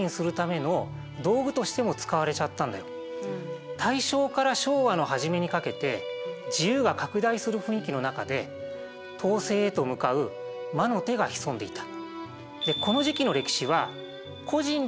実際大正から昭和の初めにかけて自由が拡大する雰囲気の中で統制へと向かう魔の手が潜んでいた。